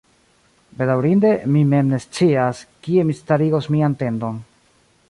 Bedaŭrinde, mi mem ne scias, kie mi starigos mian tendon.